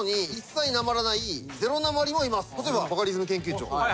例えばバカリズム研究長。